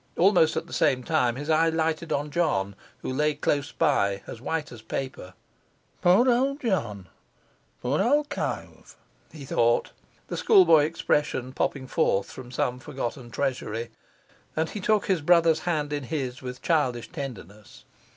Almost at the same time his eye lighted on John, who lay close by as white as paper. 'Poor old John! poor old cove!' he thought, the schoolboy expression popping forth from some forgotten treasury, and he took his brother's hand in his with childish tenderness.